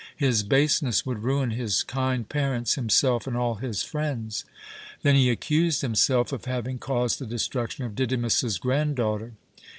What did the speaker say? His baseness would ruin his kind parents, himself, and all his friends. Then he accused himself of having caused the destruction of Didymus's granddaughter.